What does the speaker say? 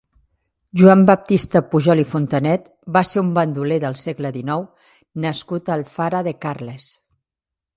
Joan Baptista Pujol i Fontanet va ser un bandoler del segle dinou nascut a Alfara de Carles.